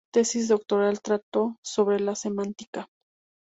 Su tesis doctoral trató sobre la Semántica.